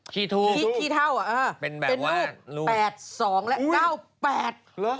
ขี้ถูกเป็นแบบว่าลูกขี้เท่าอ่ะเป็นรูป๘๒และ๙๘